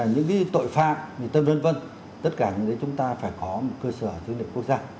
những tội phạm thì vân vân tất cả những cái chúng ta phải có một cơ sở dữ liệu quốc gia